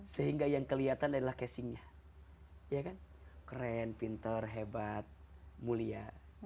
sehingga yang kelihatan adalah casingnya keren pinter hebat mulia